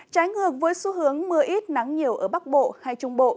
trái ngược với xu hướng mưa ít nắng nhiều ở bắc bộ hay trung bộ